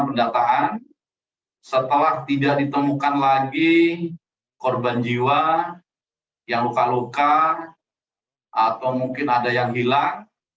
pendataan setelah tidak ditemukan lagi korban jiwa yang luka luka atau mungkin ada yang hilang